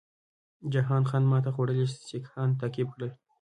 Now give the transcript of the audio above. جهان خان ماته خوړلي سیکهان تعقیب کړل.